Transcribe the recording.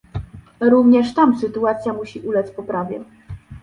Również tam sytuacja musi ulec poprawie